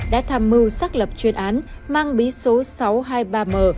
đã tham mưu xác lập chuyên án mang bí số sáu trăm hai mươi ba m